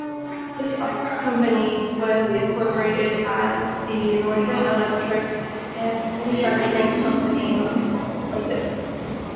This company was incorporated as the Northern Electric and Manufacturing Company Limited.